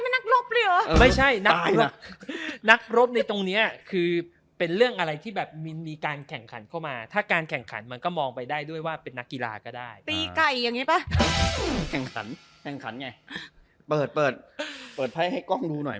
เป็นนักรบเลยเหรอเออไม่ใช่นักรบในตรงเนี้ยคือเป็นเรื่องอะไรที่แบบมีการแข่งขันเข้ามาถ้าการแข่งขันมันก็มองไปได้ด้วยว่าเป็นนักกีฬาก็ได้ตีไก่อย่างนี้ป่ะแข่งขันแข่งขันไงเปิดเปิดไพ่ให้กล้องดูหน่อย